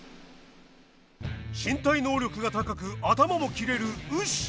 身体能力が高く頭も切れるウシ。